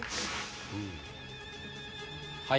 はい。